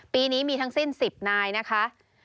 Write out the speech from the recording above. ปีนี้มีทั้งสิ้น๑๐นายนะคะ